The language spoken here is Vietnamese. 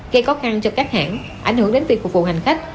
gây khó khăn cho các hãng ảnh hưởng đến việc phục vụ hành khách